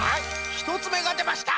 ひとつめがでました。